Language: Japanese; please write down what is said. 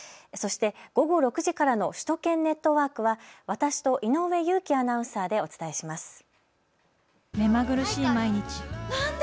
そして午後６時からの首都圏ネットワークは私と井上裕貴アナウンサーでお伝えします。